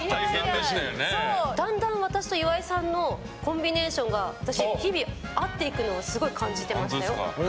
だんだん私と岩井さんのコンビネーションが私、日々、合っていくのをすごい感じてましたよ。